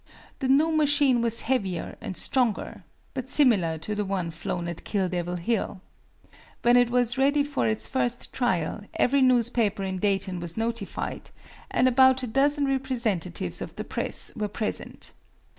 The new machine was heavier and stronger, but similar to the one flown at Kill Devil Hill. When it was ready for its first trial every newspaper in Dayton was notified, and about a dozen representatives of the Press were present.